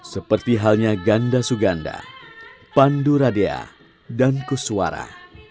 seperti halnya ganda suganda pandu radia dan kuswara